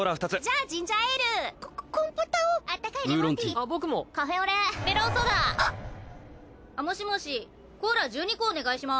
あっもしもしコーラ１２個お願いします。